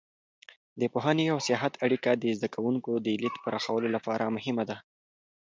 د پوهنې او سیاحت اړیکه د زده کوونکو د لید پراخولو لپاره مهمه ده.